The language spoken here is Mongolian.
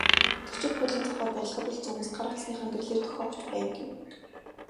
Зочид буудлын цонхоор барилгад үлдсэн хүмүүс гар утасныхаа гэрлээр дохио өгч байна гэв.